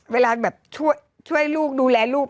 เวลาแบบช่วยลูกดูแลลูก